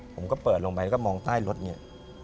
ผมก็เปิดลงไปแล้วก็มองใต้รถเนี่ย